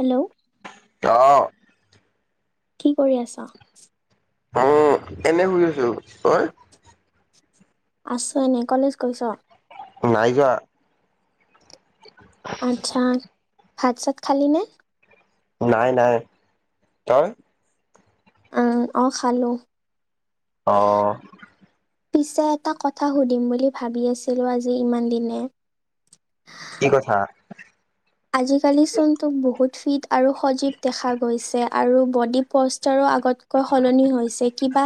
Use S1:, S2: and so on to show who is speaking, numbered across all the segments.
S1: Hello
S2: আহ।
S1: কি কৰি আছা?
S2: উম, এনে শুই আছো তই?
S1: আছো এনে, কলেজ গৈছ?
S2: নাই যোৱা।
S1: আচ্ছা, ভাত চাত খালি নে?
S2: নাই নাই, তই?
S1: আহ অ' খালো।
S2: অ'
S1: পিছে এটা কথা সুধিম বুলি ভাবি আছিলো আজি ইমান দিনে?
S2: কি কথা।
S1: আজি কালি চোন তোক বহুত ফিট আৰু সজীৱ দেখা গৈছে। আৰু ব'ডি প'জ ৰো আগতকৈ সলনি হৈছে। কিবা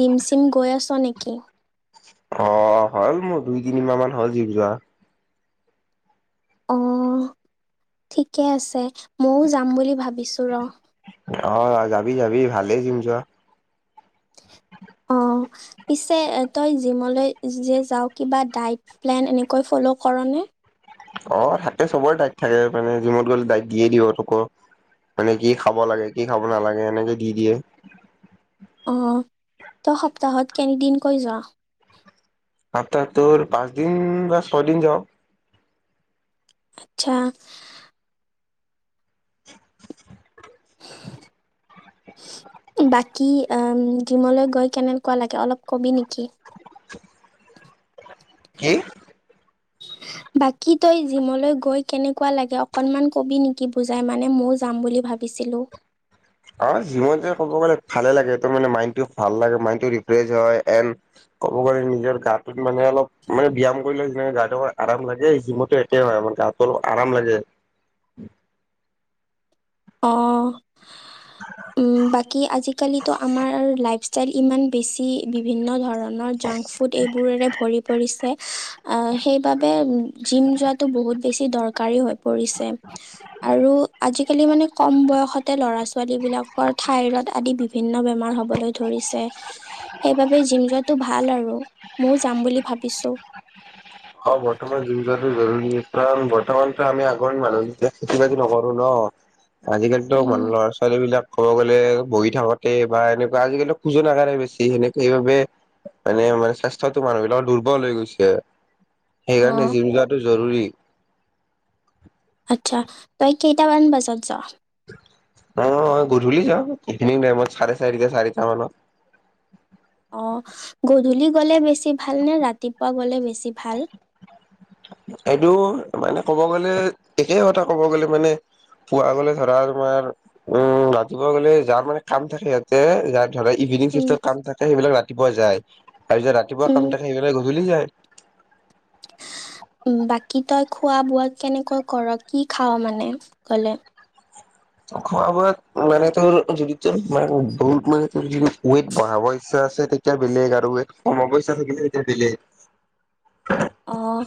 S1: জিম চিম গৈ আছ নেকি?
S2: অ' হ'ল মোৰ দুই তিনি মা'হ মান হ'ল জিম যোৱা।
S1: অ' ঠিকে আছে, ময়ও যাম বুলি ভাবিছো ৰ।
S2: অ' যাবি যাবি ভালেই যিম যোৱা।
S1: অ'। অ', পিছে তই জিমলৈ যে যা কিবা প্লেন এনেকৈ ফল কৰ নে? [unintelligible]
S2: অ' থাকে চবৰে দাইট থাকে মানে জিমত গ'লে দাইক দিয়ে দিব তোকো। মানে কি খাব লাগে কি খাব নালাগে এনেকে দি দিয়ে।
S1: অ' তই সপ্তাহত কেনিদিনকৈ যোৱা?
S2: সপ্তাহ তোৰ পাঁচ দিন বা ছয়দিন যাওঁ।
S1: আচ্ছা। [unintelligible] বাকী জিমলৈ গৈ কেনেকুৱা লাগে, অলপ কবি নেকি?
S2: কি?
S1: [unintelligible] বাকী তই জিমলৈ গৈ কেনেকুৱা লাগে, অকনমান কবি নেকি বুজাই মানে ময়ও যাম বুলি ভাব ভাবিছিলোঁ।
S2: অ' জিমত যায় ক'ব গ'লে ভালে লাগে, মাইণ্ডটো ভাল লাগে, মাইণ্ড ৰিফ্ৰছ হয়, এন্দ ক'ব গ'লে নিজৰ গাটোত মানে অলপ মানে ব্যায়াম কৰিলে যেনে গাটো অ আৰাম লাগে জিমতো একে হয় মানে। গাতো অলপ আৰাম লাগে।
S1: অ' উম বাকী, আজিকালিতো আমাৰ লা ল ইমান বেছি, বিভিন্ন ধৰণ নৰ জাংক ফুড এইবোৰৰে ভৰি পৰিছে, সেইবাবে জিম যোৱাটো বহু হুত বেছি দৰকাৰি হৈ পৰিছে, আৰু আজি কালি মানে ম বয়সতে ল'ৰা ছোৱালী বিলাকৰ থাইৰড আদি বিভিন্ন বেমাৰ হ'বলৈ ধৰিছে। সেইবাবে জিম যোৱাটো ভাল আৰু, ময়ো যাম বুলি ভাবিছো।
S2: অ' বৰ্তমান জো-যটো জৰুৰী, কাৰণ বৰ্তমানতো আমি আগৰ মানুহ যেতিয়া খেতি বাতি নকৰো ন? অ' আজিকালিতো
S1: উম,
S2: মানুহ ল'ৰা ছোৱালী বিলাক ক'ব গ'লে বহি থাকোতে বা এনেকুৱা আজিকালি খোজোনাগাৰেই বেছি সেনেকে সেইবাবে মানে মানে স্বাস্থতো মানুহৰ বিলাক দুৰ্বল হৈ গৈছে, সেইকাৰণে
S1: অ',
S2: জিম যোৱাটো জৰুৰী।
S1: আচ্ছা। তই কেইটামান বজাত যাৱ?
S2: অ' গধূলি যাওঁ ইভিনিং টাইমত চাৰে চাৰিটা চাৰিটা মানত।
S1: অ' গধূলি গ'লে বেছি ভাল নে ৰাতিপুৱা গ'লে বেছি ভাল?
S2: এইটো মানে ক'ব গ'লে একে কথা ক'ব গ'লে মানে। পুৱ গ'লে ধৰা তোমাৰ উম ৰাতিপুৱা গ'লে যাৰ মানে কাম থাকে ইয়াতে যাৰ ইভিনং
S1: উম,
S2: চিফটত কাম থাকে সেইবিলাক ৰা তিপুৱা যায়, আৰু যে ৰাতিপুৱা কাম
S1: উম,
S2: থাকে সেইবিলে গধূলি যায়।
S1: বাকী তই খোৱা বোৱা কেনেকৈ ক'ৰ কি খাৱ মানে গ'লে?
S2: খোৱা বোৱাত মানে তোৰ যদি তোৰ মানে বহুত মানে তোৰ যদি ৱেট বঢ়াবৰ ইচ্ছা আছে তেতিয়া বেলেগ আৰু ৱেট কমাব ইচ্ছা থাকিলে তেতিয়া বেলেগ।
S1: অঁ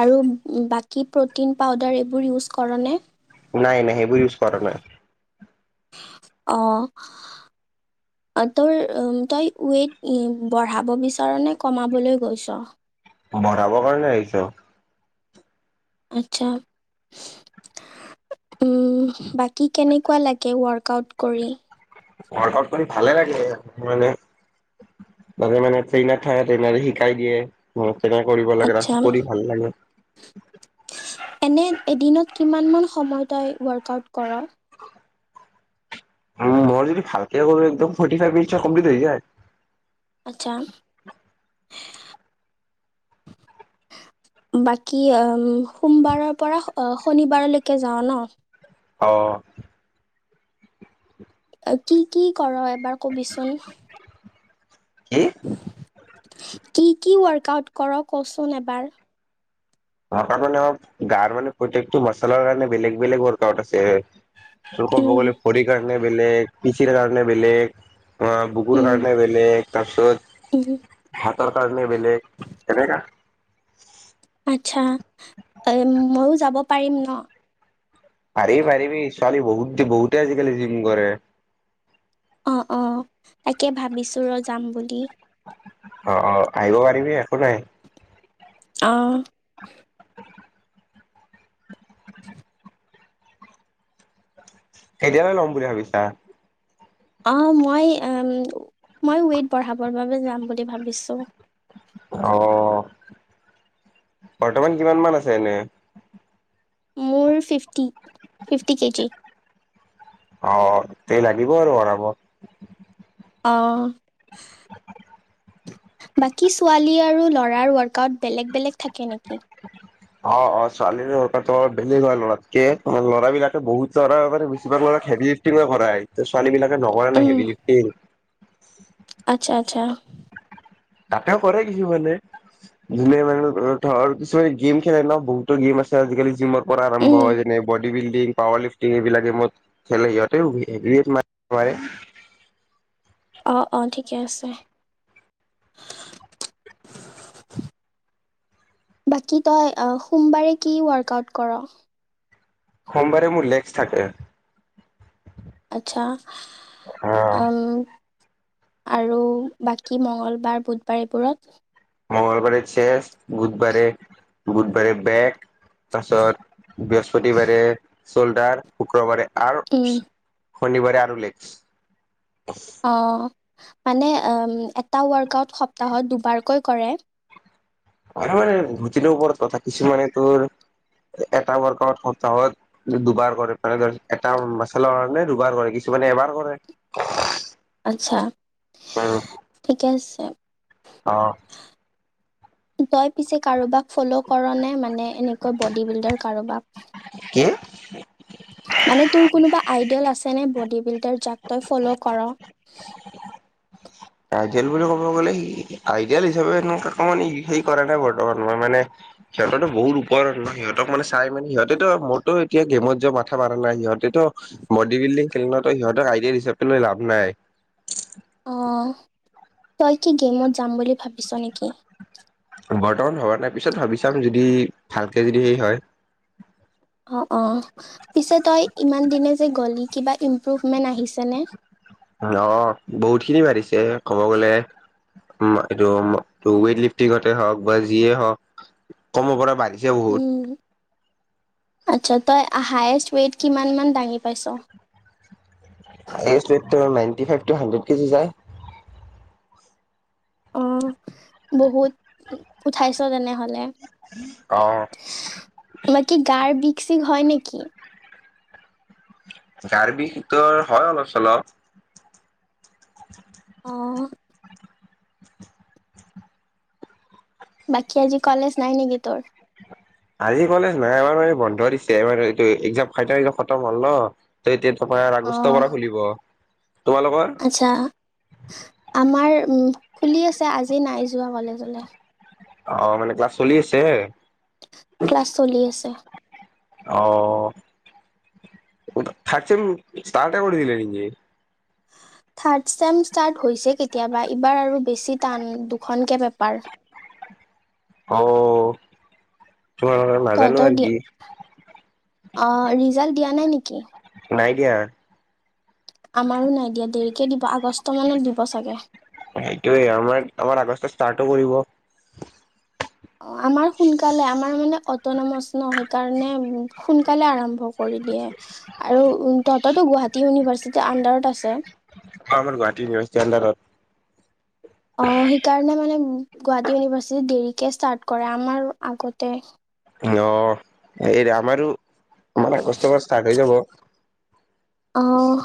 S1: আৰু বাকী প্ৰ'টিন পাউদাৰ এইবোৰ ইউজ কৰ নে?
S2: নাই নাই সেইবোৰ ইউজ কৰা নাই।
S1: আহ' অ' তোৰ তই ৱেইট বঢ়াব বিচাৰ নে কমাবলৈ গৈছ?
S2: ভৰাবৰ কাৰণে আহিছে।
S1: আচ্ছা। উম, বাকী কেনেকুৱা লাগে ৱৰ্কআউট কৰি?
S2: ৱকআউট কৰি ভালে লাগে, মানে তাে মানে ট্ৰেইনাৰ থাকে ট্ৰেইনাৰে শিকাই দিয়ে। তেনেকে কৰিব লাগে,
S1: আচ্ছা
S2: ৰাস্ত কৰি ভাল লাগে।
S1: এনে এদিনত কিমানমান সময় তই ৱৰ্কআউট ক'ৰ?
S2: মই যদি ভালকে ক'ৰো একদম ফ'ৰটি ফাইভ মিনিতট কম্পিলিত হৈ যায়।
S1: আচ্ছা বাকী সোমবাৰৰ পৰা শনিবাৰলৈকে যাওঁ ন?
S2: অ'
S1: কি কি কৰ এবাৰ কবিচোন?
S2: কি
S1: কি কি ৱৰ্্কআউট কৰ, কচোন এবাৰ।
S2: অ' ত মানে গাৰ মানে প্ৰত্য়েকটো মছলাৰ কাৰণে বেলেগ বেলেগ ৱৰ্কআউট আছে। চক
S1: উম,
S2: বগলে ভৰিৰ কাৰণে বেলেগ পিচিৰ কাৰণে বেলেগ। অ' বুকুৰ
S1: উম,
S2: কনে বেলেগ
S1: উম।
S2: তাৰপিছত তৰকাৰনে বেলেগ, এনেকা।
S1: আচ্ছা, এ ময়ো যাব পাৰিম ন।
S2: পাৰিব পাৰিবি, ছোৱালী বহুত বহুতে আজিকালি জিম কৰে।
S1: অ' অ' তাকে ভাবিছো ৰ যাম বুলি।
S2: অ' অ' আহিব পাৰিবি একো নাই।
S1: আহ।
S2: কেতিয়ালৈ ল'ম বুলি ভাবিছা?
S1: অ' মই, মই ৱেইট বঢ়াবৰ বাবে যাম বুলি ভাবিছোঁ।
S2: আহ, বৰ্তমান কিমান মান আছে এনে?
S1: মোৰ ফিফটি, ফিফটি কেজি।
S2: অ' তেই লাগিব আৰু বঢ়াব।
S1: অ'। বাকী ছোৱালী আৰু ল'ৰাৰ ৱৰ্কআউট বেলেগ বেলেগ থাকে নেকি?
S2: অ' অ' ছোৱালী সৰ অলপ বেলেগ হয় লৰাতকে আমাৰ লৰা বিলাকে বহুত লৰাে বেছিভাগ ল হেভি লিফটিঙ কৰাই, ছোৱালী বিলাকে নকৰে নাই
S1: উম,
S2: হেভি লিফটিং।
S1: আচ্ছা আচ্ছা।
S2: তাতেও কৰে কিছুমানে, যোনে মানে ধৰ কিছুমানে গেম খেলে ন বহুতো গেম আজিকালি জিমৰ পৰা আৰম্ভ
S1: উম,
S2: হয় যেনে বডী বিল্ডিং পাৱাৰ লিফ্টিং এইবিলাক গেমত খেলে, সিহতেও ট মাৰ [unintelligible]
S1: [inaudible] অ' অ' ঠিকে আছে। বাকী তই সোমবাৰে কি ৱৰ্্কআউট কৰ?
S2: সোমবাৰে মোৰ লেক্স থাকে।
S1: আচ্ছা,
S2: অ'।
S1: উম আৰু বাকী মঙ্গলবাৰ বুধবাৰ এইবোৰত।
S2: মংগলবাৰে চেষ, বুধবাৰোৰে বুধবাৰে বেক। তাৰপাছত, বৃহস্পতিবাৰে চলদাৰ শুক্ৰবাৰে আৰু,
S1: উম,
S2: শনিবাৰে আৰু লেক্স।
S1: অ' মানে এটা ৱৰ্কআউট সপ্তাহত দুবাৰকৈ কৰে?
S2: হয় মানে ঘূটিলওপৰত কথা কিছুমানে তোৰ এটা ৱৰ্কআউট সপ্তাহত দুবাৰ কৰে, মান ধ এটা মাচেলৰ কাৰণে দুবাৰ কৰে। কিছুমানে এবাৰ কৰে।
S1: আত্ছা, ঠিকে আছে।
S2: আহ।
S1: তই পিছে কাৰোবাক ফ'ল' কৰ ন মানে এনেকৈ বড বিল্ডাৰ কাৰোবাক?
S2: [inaudible]
S1: [inaudible] মানে তোৰ কোনোবা আইডিয়েল আছে ন বডী বিল্ডাৰ যাক তই ফ'ল' কৰ?
S2: আইডিয়েল বুলি ক'ব গ'লে আইডিয়েল হিচাপেকমান হে কৰা নাই বৰ্তমান মই মানে সিহঁতো বহুত পৰত ন সহতক মানে চাইান সিহঁতেত মোৰো এয়া গেমত যোৱা মাথা মাৰা নাই সিহঁত তেটো বডি বিল্ডিং খেলনো সিহঁতক আইডিয়া হিচাপে লৈ লাভ নাই।
S1: আহ, তই কি গেমত যাম বুলি ভাবিছ নেকি?
S2: বৰ্তমান ভবা নাই পিছত ভাবি চাম, যদি ভালকে যদি সেই হয়।
S1: অ' অ' পিছে তই ইমান দিনে যে গ'লি কিবা ইম্প্ৰুভমেণ্ট আহিছেনে?
S2: অ উ এইটো, ৱেইট লিফ্টিঙতে হওক বা যিয়ে হওক কম পৰা বাঢ়ি জহত
S1: উম, আচ্ছা, তই হায়েষ্ট ৱেইট কিমানমান দাঙি পাইছ?
S2: এজটো এতিয়াও নাইনটি ফাইভটো হানদ্ৰেত কেজি যায়।
S1: অ' বহুত উ উঠাইছ তেনে
S2: অ
S1: তোম, কি গাৰ বিক চিক হয় নেকি?
S2: গাৰ বিষটো হয় অলপ চলপ। [inaudible]
S1: আহ। বাকী আজি কলেজ নাই নেকি তোৰ?
S2: আজি কলেজ নাই আমাৰ বন্ধ দিছোৰ একজাম খাই খতম হল ন, ত এতিয়া তপাৰ আগষ্টৰ
S1: অ',
S2: পৰা খুলিব। তোমালোকৰ
S1: আচ্ছা, আমাৰ খুলি আছে, আজি নাই যোৱা কলেজলৈ।
S2: অ' মানে ক্লাছ চলি আছে?
S1: ক্লাছ চলি আছে।
S2: আহ। থাৰ্ট চেম ষ্টাৰহে কৰি দিলে নেকি?
S1: থাৰ্ম ষ্টাৰ্ট হৈছে কেতিয়াবা ইবাৰ আৰু বেছি টান দুখনকে পেপাৰ। [inaudible]
S2: অ'। তোমালোকৰ নাজানো
S1: তহতৰ
S2: আৰু
S1: দি,
S2: কি
S1: অ' ৰিজাল্ট দিয়া নাই নেকি?
S2: নাই দিয়া।
S1: আমাৰো নাই দিয়া, দেৰিকে দিব আগষ্ট মানত দিব চাগে।
S2: সেইটোয়ে, আমাৰ আমাৰ আগষ্ট ষ্টাৰ্টো কৰিব।
S1: অ' আমাৰ সোনকালে, আমাৰ মানে অটনমাচ ন সেইকাৰণে সোনকালে আৰম্ভ কৰে। আৰু তহতৰটো গুৱাহাটী ইউনিভাৰ্চিটিৰ আডাৰত আছে?
S2: অ' আমাৰ গুৱাহাটী ইনিভাৰিটি আডাৰত।
S1: অ' সেইকাৰণে মানে গুৱাহাটী ইউনিভাৰ্চিটি দেৰিকে ষ্টাৰ্ট কৰে, আমাৰ আগতে।
S2: অ' এই আমাৰো, আমাৰ আগষ্টৰ ষ্টাৰ্ট হৈ যাব।
S1: অ'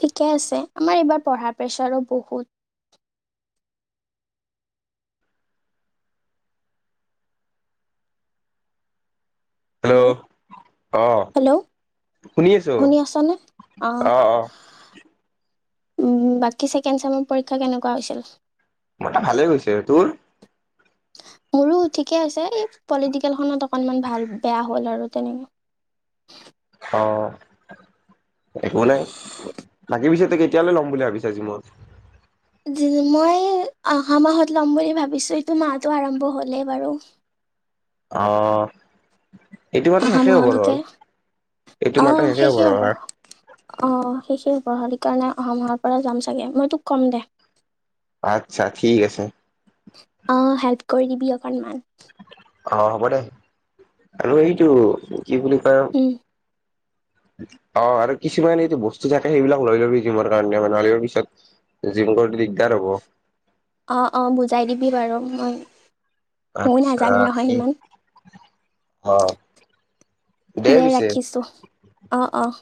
S1: ঠিকে আছে, আমাৰ এইবাৰ পঢ়াৰ প্ৰেছাৰো বহুত।
S2: হেল্ল' আহ
S1: হেল্ল'
S2: শুনি আছো আহ অ'।
S1: বাকী ছেকেণ্ড চেমৰ পৰীক্ষা কেনেকুৱা হৈছিল?
S2: মই ভালে গৈছে, তোৰ?
S1: মোৰো ঠিকেই আছে এই পলিটিকেলখনত অকনমান ভাল বেয়া হ'ল আৰু তেনেকে। [inaudible]
S2: অ
S1: [inaudible]
S2: একো নাই, আগে-পিছে তই কেতিয়ালৈ ল'ম বুলি ভাবিছ?
S1: মই অহা মাহত ল'ম বুলি ভাবিছো এইটো মাহটো আৰম্ভ হলেই বাৰু। [inaudible]
S2: অ। এইটো মাহটো
S1: অহা
S2: শেষেই হবৰ
S1: মাহলৈকে
S2: হ'ল এইটো মাহটো শেষেই হব।
S1: অ শেষেই হব কাৰণে অহা মাহৰ পৰাই যাম চাগে, মই তোক কম দে।
S2: আতছা, ঠিক আছে।
S1: অ' হেল্প কৰি দিবি অকনমান।
S2: অ' হ'ব দে, আৰু এইটো, কি বুলি কয় অ, আৰু কিছুমান এইটো বস্তু থাকে, সেইবিলাক লৈ ল'বি জিমৰ কাৰণে, মানে আৰু পিছত [unintelligible] দিগদাৰ হ'ব।
S1: অ'-অ', বুজাই দিবি বাৰু মই মই
S2: আচ্ছা
S1: নাজানো নহয়
S2: ঠিক
S1: সিমান।
S2: অ'
S1: দে ৰাখিছো, অ' অ'।